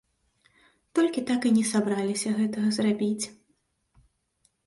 Толькі так і не сабраліся гэтага зрабіць.